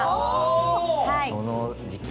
その時期だ。